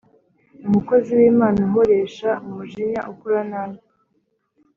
umukozi w Imana uhoresha umujinya ukora nabi